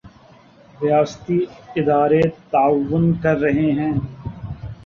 ریاستی ادارے تعاون کر رہے ہیں۔